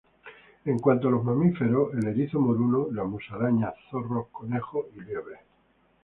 En cuanto a los mamíferos, el erizo moruno, las musarañas, zorros, conejos y liebres.